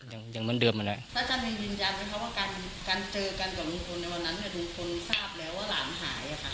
อาจารย์มีวิญญาณไหมคะว่าการเจอกันกับลุงคลในวันนั้นลุงคลทราบแล้วว่าหลานหายอ่ะคะ